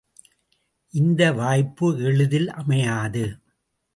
இந்த வாய்ப்பு எளிதில் அமையாது.